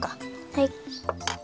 はい。